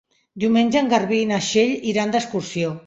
Diumenge en Garbí i na Txell iran d'excursió.